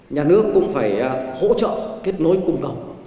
nhà nước cũng phải hỗ trợ kết nối cùng cộng